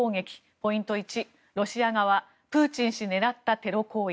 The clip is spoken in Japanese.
ポイント１、ロシア側プーチン氏狙ったテロ行為。